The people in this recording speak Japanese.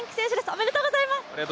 おめでとうございます。